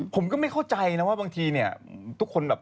ผมก็ไม่เข้าใจนะว่าบางทีเนี่ยทุกคนแบบ